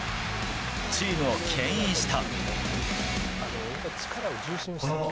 チームを牽引した。